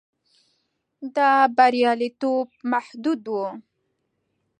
دا بریالیتوب محدود و.